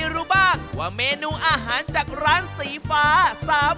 ร้านนี้อร่อย